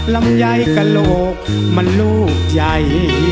ลำไยกระโหลกมันลูกใหญ่